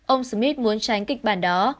ông smith muốn tránh kịch bản đó